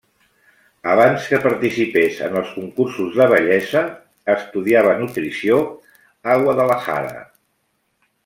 Abans que participés en els concursos de bellesa estudiava nutrició a Guadalajara.